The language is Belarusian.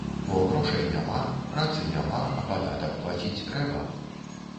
Бо грошай няма, працы няма, а падатак плаціць трэба.